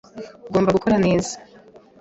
Ugomba gukora neza.